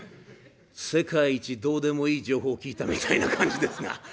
世界一どうでもいい情報を聞いたみたいな感じですが。